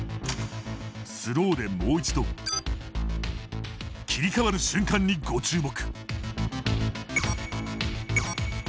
スローでもう一度。切り替わる瞬間にご注目。